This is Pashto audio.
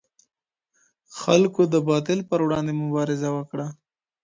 خلګو د باطل پر وړاندي مبارزه وکړه.